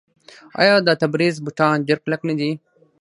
آیا د تبریز بوټان ډیر کلک نه دي؟